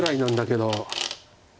けど